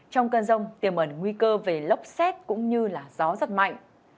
trong cơn rông tiềm ẩn nguy cơ về lốc xét cũng như gió rất mạnh